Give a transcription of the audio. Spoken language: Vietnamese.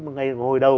ngày hồi đầu